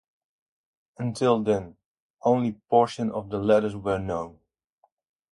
Until then, only a portion of these letters were known.